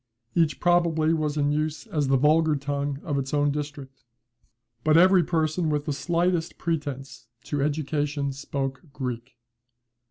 Each probably was in use as the vulgar tongue of its own district. But every person with the slightest pretence to education spoke Greek.